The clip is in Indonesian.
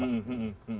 justru itu dianjurkan